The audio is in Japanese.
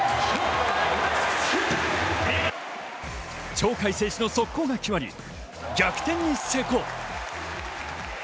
鳥海選手の速攻が決まり、逆転に成功。